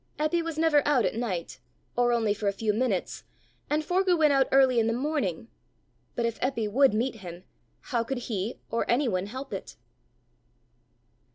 Eppy was never out at night, or only for a few minutes; and Forgue went out early in the morning! But if Eppy would meet him, how could he or anyone help it?